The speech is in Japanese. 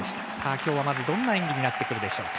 今日はどんな演技になってくるでしょうか。